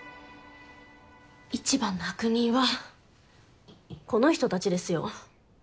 一番の悪人はこの人たちですよ。